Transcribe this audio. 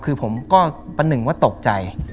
คือผมก็ประหนึ่งว่าตกใจ